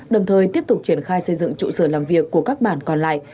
đồng thời tiếp tục triển khai xây dựng trụ sở làm việc của các bản còn lại